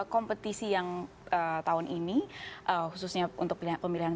kompetisi yang tahun ini khususnya untuk pilihan pilihan